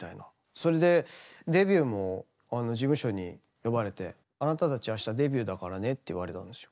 それでデビューも事務所に呼ばれてあなたたちあしたデビューだからねって言われたんですよ。